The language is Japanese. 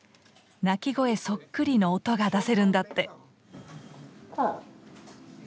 鳴き声そっくりの音が出せるんだって。